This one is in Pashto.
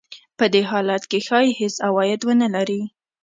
په دې حالت کې ښايي هېڅ عاید ونه لري